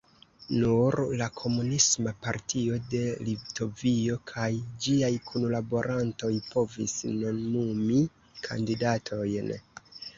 Nur la Komunisma partio de Litovio kaj ĝiaj kunlaborantoj povis nomumi kandidatojn.